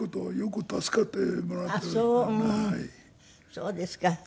そうですか。